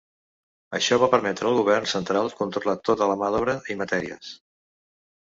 Això va permetre el govern central controlar tota la mà d'obra i matèries.